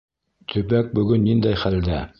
Төбәк бөгөн ниндәй хәлдә?